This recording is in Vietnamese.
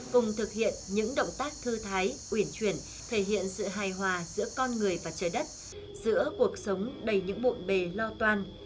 cùng thực hiện những động tác thư thái uyển chuyển thể hiện sự hài hòa giữa con người và trái đất giữa cuộc sống đầy những bộn bề lo toan